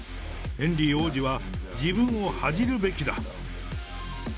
ヘンリー王子は自分を恥じるべきだ。